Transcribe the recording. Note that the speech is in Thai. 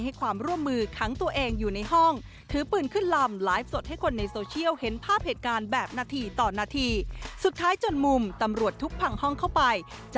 ถ้าความสำคัญของเราที่๑๐กว่าปีที่ผ่านมาเนี่ย